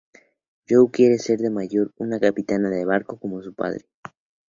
You quiere ser de mayor una capitana de barco, como su padre.